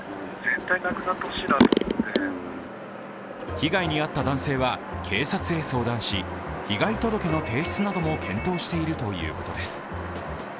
被害に遭った男性は警察へ相談し被害届の提出なども検討しているということです。